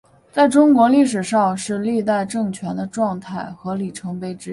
在中国历史上是历代政权的状态和里程碑之一。